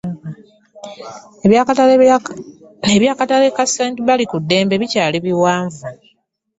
Eby'akatale ka st.Baliddembe bikyali biwanvu.